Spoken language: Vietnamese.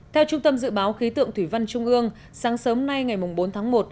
theo trung tâm dự báo khí tượng thủy văn trung ương sáng sớm nay ngày bốn tháng một